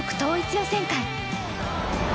予選会。